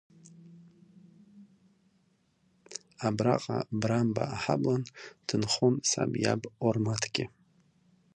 Абраҟа Брамба аҳаблан дынхон саб иаб Ормаҭгьы.